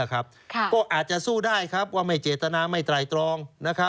ก็อาจจะสู้ได้ครับว่าไม่เจตนาไม่ไตรตรอง